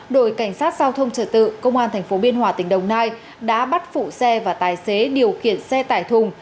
đội cảnh sát giao thông trở tự công an tp biên hòa tỉnh đồng nai đã bắt phụ xe và tài xế điều khiển xe tải thùng